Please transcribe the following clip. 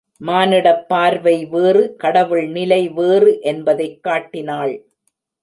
மானிடப் பார்வை வேறு கடவுள் நிலைவேறு என்பதைக் காட்டினாள்.